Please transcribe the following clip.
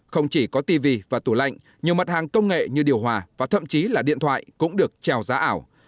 không chỉ có tv và tủ lạnh nhiều mặt hàng công nghệ như điều hòa và thậm chí là điện thoại cũng được treo giá ảo